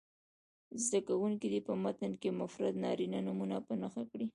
زده کوونکي دې په متن کې مفرد نارینه نومونه په نښه کړي.